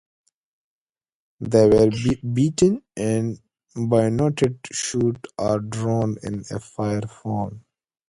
They were beaten and bayonetted, shot or drowned in a fire pond.